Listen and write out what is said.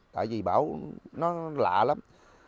tại vì bão nó lạ lắm